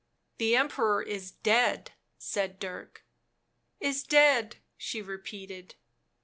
" The Emperor is dead," said Dirk. " Is dead," she repeated.